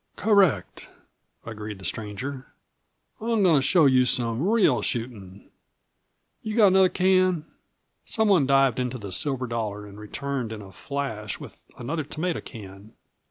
"Correct," agreed the stranger. "I'm goin' to show you some real shootin'. You got another can?" Some one dived into the Silver Dollar and returned in a flash with another tomato can.